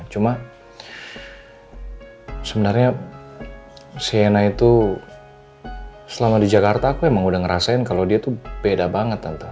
cuma sebenarnya siena itu selama di jakarta aku emang udah ngerasain kalau dia tuh beda banget tante